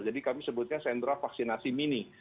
jadi kami sebutnya sentra vaksinasi mini